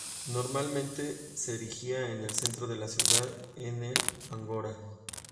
Normalmente se erigía en el centro de la ciudad, en el ágora.